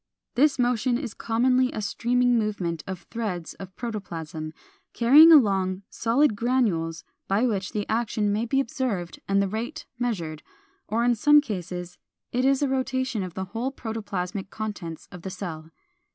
This motion is commonly a streaming movement of threads of protoplasm, carrying along solid granules by which the action may be observed and the rate measured, or in some cases it is a rotation of the whole protoplasmic contents of the cell.